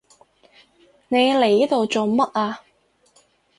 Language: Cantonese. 你嚟呢度做乜啊？